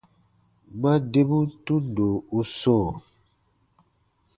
Ma debun tundo u sɔ̃ɔ.